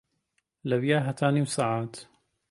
لەویا هەتا نیو سەعات